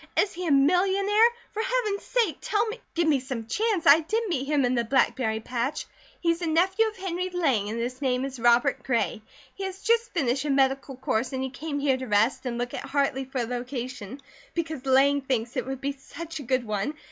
Is he a millionaire? For Heaven's sake tell me " "Give me some chance! I did meet him in the blackberry patch. He's a nephew of Henry Lang and his name is Robert Gray. He has just finished a medical course and he came here to rest and look at Hartley for a location, because Lang thinks it would be such a good one.